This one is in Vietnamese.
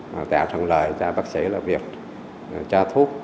và tạo thần lời cho bác sĩ là việc cho thuốc